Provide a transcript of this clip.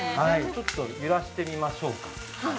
ちょっと揺らしてみましょうか。